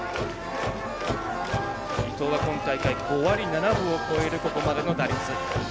伊藤は今大会５割７分を超えるここまでの打率。